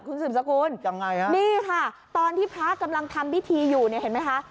คุณสืบสกุลยังไงฮะนี่ค่ะตอนที่พระกำลังทำพิธีอยู่เนี่ยเห็นไหมคะ